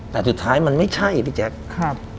แต่สุดท้ายมันไม่ใช่พี่แจ๊คครับ